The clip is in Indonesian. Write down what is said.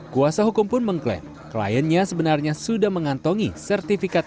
kuasa hukum pun mengklaim kliennya sebenarnya sudah mengantongi sertifikat